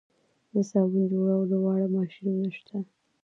د صابون جوړولو واړه ماشینونه شته